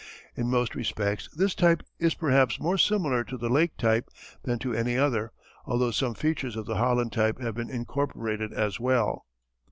In most respects this type is perhaps more similar to the Lake type than to any other, although some features of the Holland type have been incorporated as well.